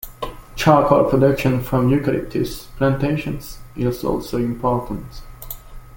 Charcoal production from eucalyptus plantations is also important.